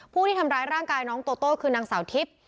ผู้ที่ทำร้ายร่างกายน้องโตโต้คือนางสาวทิพย์